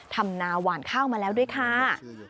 ทำนาหวานข้าวมาแล้วด้วยค่ะ